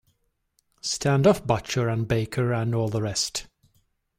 Stand off butcher and baker and all the rest.